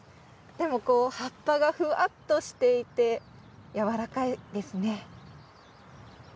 でも葉っぱが、ふわっとしていて柔らかいですね。